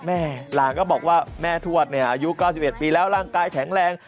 หลานก็บอกว่าแม่ทวดเนี่ยอายุ๙๑ปีแล้วร่างกายแข็งแรง